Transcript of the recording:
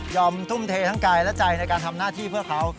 ทุ่มเททั้งกายและใจในการทำหน้าที่เพื่อเขา